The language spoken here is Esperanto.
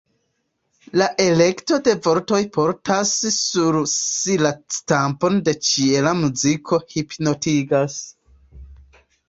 La elekto de vortoj portas sur si la stampon de ĉiela muziko, hipnotigas.